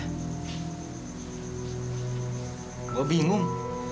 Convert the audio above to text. hai gue bingung